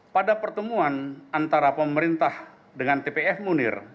pada pertemuan antara pemerintah dengan tpf munir